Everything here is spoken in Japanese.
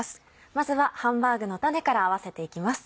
まずはハンバーグのタネから合わせていきます。